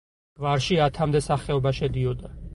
გვარში ათამდე სახეობა შედიოდა.